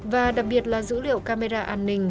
và đặc biệt là dữ liệu camera an ninh